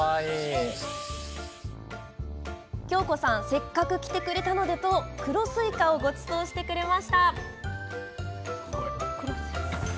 せっかく来てくれたのでと黒スイカをごちそうしてくれました。